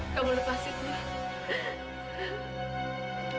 kamu lepaskan aku